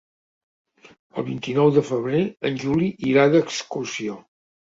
El vint-i-nou de febrer en Juli irà d'excursió.